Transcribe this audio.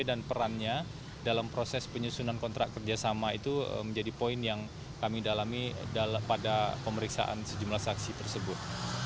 jadi perannya dalam proses penyusunan kontrak kerjasama itu menjadi poin yang kami dalami pada pemeriksaan sejumlah saksi tersebut